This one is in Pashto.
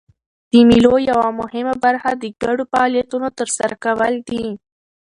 د مېلو یوه مهمه برخه د ګډو فعالیتونو ترسره کول دي.